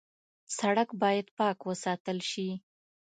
سړک باید پاک وساتل شي.